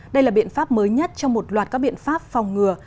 đây là biện pháp mới nhất trong một loạt các biện pháp phòng ngừa